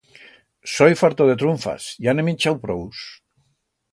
Soi farto de trunfas, ya n'he minchau prous.